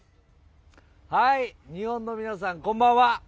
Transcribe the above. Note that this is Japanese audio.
日本の皆さんこんばんは。